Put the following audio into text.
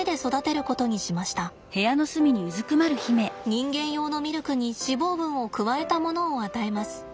人間用のミルクに脂肪分を加えたものを与えます。